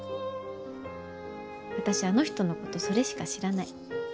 私あの人のことそれしか知らない。